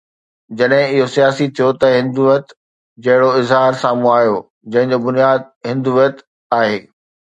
جڏهن اهو سياسي ٿيو ته هندويت جهڙو اظهار سامهون آيو، جنهن جو بنياد هندويت آهي.